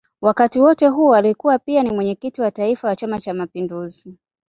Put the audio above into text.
Wakati wote huo alikuwa pia ni Mwenyekiti wa Taifa wa Chama cha Mapinduzi